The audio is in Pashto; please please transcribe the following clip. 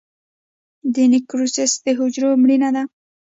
د نیکروسس د حجرو مړینه ده.